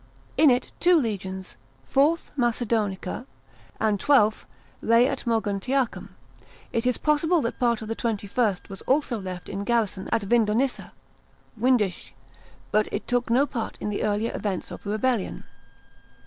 In it two legions, IV. Macedonica and XXII., lay at Moguntiacum. It is possible that part of XXI. was also left in garrison at Vindonissa (Windisch), but it took no part in the earlier events of the rebellion.